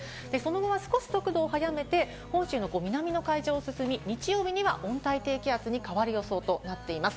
そのまま少し速度を速めて本州の南の海上を進み、日曜日には温帯低気圧に変わる予想となっています。